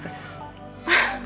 tapi udah bagus